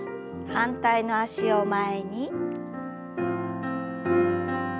反対の脚を前に。